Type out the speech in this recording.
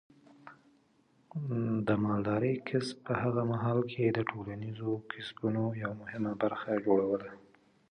د مالدارۍ کسب په هغه مهال کې د ټولنیزو کسبونو یوه مهمه برخه جوړوله.